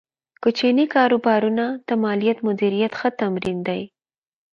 کوچني کاروبارونه د مالي مدیریت ښه تمرین دی۔